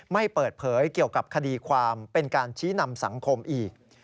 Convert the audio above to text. ไม่เปิดเผยเกี่ยวกับคดีความเป็นการชี้นำสังคมอีก